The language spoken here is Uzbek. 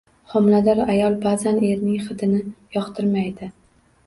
Homilador ayol ba’zan erining hidini yoqtirmaydi.